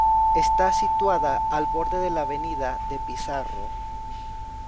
Está situada al borde de la avenida de Pizarro.